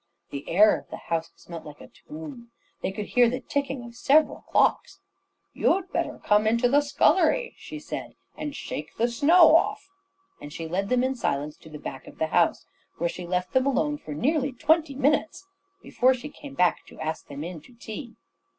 The air of the house smelt like a tomb. They could hear the ticking of several clocks. "You'd better come into the scullery," she said, "and shake the snow off," and she led them in silence to the back of the house, where she left them alone for nearly twenty minutes before she came back to ask them in to tea.